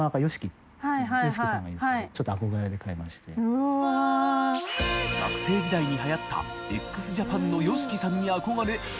Δ錣繊祿慇源紊はやったＪＡＰＡＮのＹＯＳＨＩＫＩさんに憧れ森川）